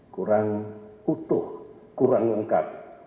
kurang utuh kurang lengkap